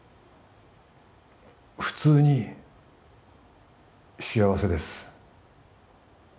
普通に幸せです